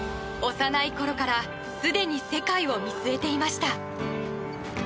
幼いころからすでに世界を見据えていました。